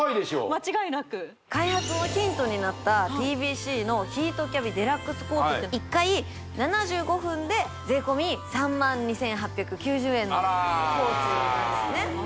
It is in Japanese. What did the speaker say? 間違いなく開発のヒントになったＴＢＣのヒートキャビデラックスコース１回７５分で税込３２８９０円のコースなんですね